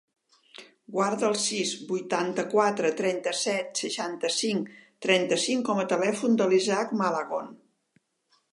Guarda el sis, vuitanta-quatre, trenta-set, seixanta-cinc, trenta-cinc com a telèfon de l'Isaac Malagon.